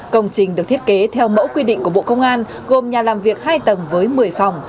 công trình được thiết kế theo mẫu quy định của bộ công an gồm nhà làm việc hai tầng với một mươi phòng